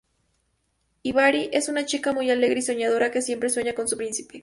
Hibari es una chica muy alegre y soñadora, que siempre sueña con su príncipe.